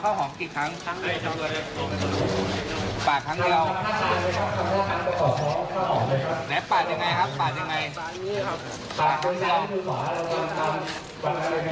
กาลีประสงค์ภรรยาครับ